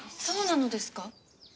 そうなのですか？